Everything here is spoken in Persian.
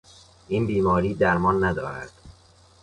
این بیماری درمان ندارد.